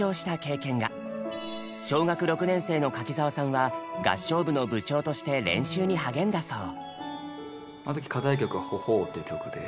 小学６年生の柿澤さんは合唱部の部長として練習に励んだそう。